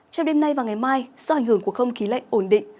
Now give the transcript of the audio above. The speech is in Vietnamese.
trong đêm nay và ngày mai do ảnh hưởng của không khí lạnh ổn định